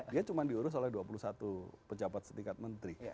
dia cuma diurus oleh dua puluh satu pejabat setingkat menteri